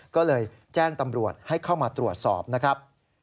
ก็เลยแจ้งตำรวจให้เข้ามาตรวจสอบนะครับ